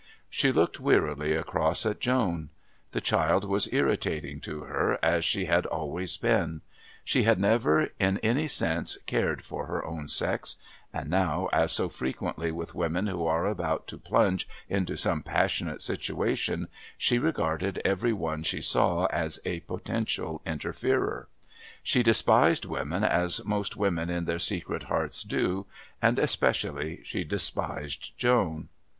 She looked wearily across at Joan. The child was irritating to her as she had always been. She had never, in any case, cared for her own sex, and now, as so frequently with women who are about to plunge into some passionate situation, she regarded every one she saw as a potential interferer. She despised women as most women in their secret hearts do, and especially she despised Joan.